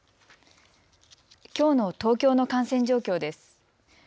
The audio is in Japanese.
きょうの東京の感染状況です。